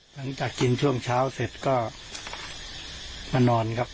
หลังจากกินช่วงเช้าเสร็จก็มานอนครับ